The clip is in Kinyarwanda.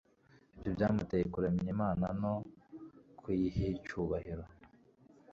Ibyo byamuteye kuramyImana no kuyihicyubahiro